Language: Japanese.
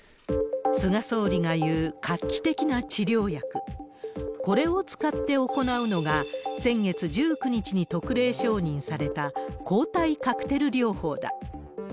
菅総理が言う画期的な治療薬、これを使って行うのが、先月１９日に特例承認された抗体カクテル療法だ。